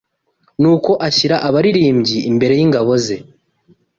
Nuko ashyira abaririmbyi imbere y’ingabo ze